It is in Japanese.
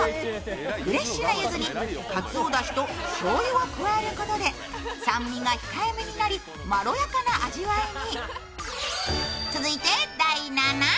フレッシュなゆずにかつおだしとしょうゆを加えることで酸味が控えめになりまろやかな味わいに。